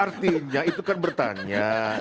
artinya itu kan bertanya